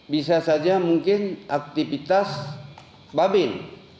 bisa saja mungkin aktivitas babin